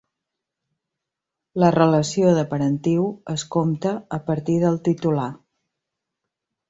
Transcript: La relació de parentiu es compta a partir del titular.